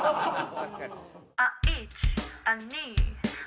確かに。